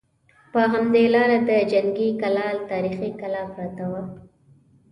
په همدې لاره د جنګي کلا تاریخي کلا پرته وه.